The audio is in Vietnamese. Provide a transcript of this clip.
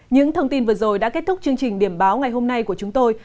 những thông tin vừa rồi đã kết thúc chương trình điểm báo ngày hôm nay của chúng tôi